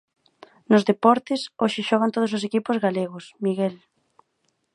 Nos deportes, hoxe xogan todos os equipos galegos, Miguel.